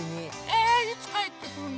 えいつかえってくるの？